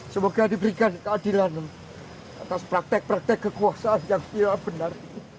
semoga diberikan keadilan atas praktek praktek kekuasaan yang tidak benar